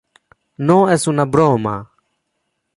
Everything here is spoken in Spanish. No es una broma.